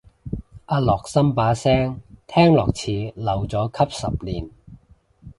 阿樂琛把聲聽落似留咗級十年